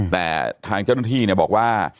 แต่ทางเจ้าหน้าที่บอกว่า